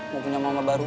mau punya mama baru